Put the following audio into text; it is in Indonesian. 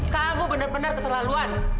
kamu benar benar keterlaluan